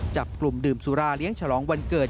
จับกลุ่มดื่มสุราเลี้ยงฉลองวันเกิด